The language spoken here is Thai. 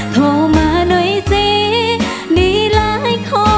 โทรมาหน่อยซิดีหลายขอให้สื่อสั่น